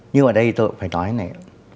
nhưng ở đây tôi phải nói này